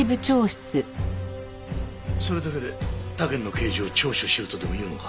それだけで他県の刑事を聴取しろとでも言うのか？